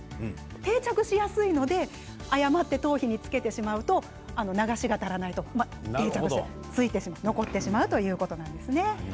定着しやすいので、誤って頭皮につけてしまうと流しが足らないと残ってしまうということです。